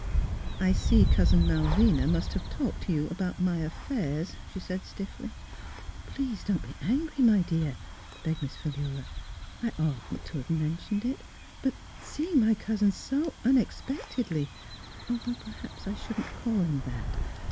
" I see Cousin Malvina must have talked to you about my affairs," she said stiffly. Mdss Fhilura's Wedding Gown " Please don't be angry, my dear,'* begged Miss Philura. " I oughtn't to have mentioned it ; but seeing my cousin so unexpectedly — though perhaps I shouldn't call him that.